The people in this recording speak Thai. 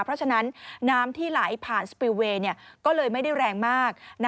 เพราะฉะนั้นน้ำที่ไหลผ่านสปิลเวย์ก็เลยไม่ได้แรงมาก